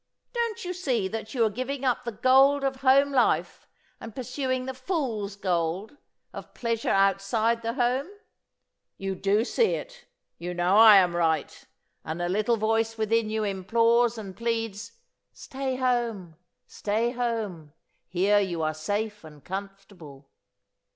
Don't you see that you are giving up the gold of home life and pursuing the fool's gold of pleasure outside the home? You do see it, you know I am right, and a little voice within you implores and pleads: 'Stay home! Stay home! here you are safe and comfortable!